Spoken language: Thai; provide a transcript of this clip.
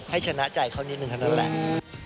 ให้ชนะใจเขานิดนึงเท่านั้นแหละ